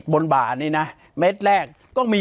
ปากกับภาคภูมิ